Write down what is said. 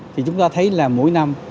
thì chúng ta thấy là mỗi năm